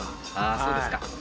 そうですか。